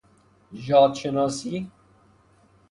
ژاد شناسی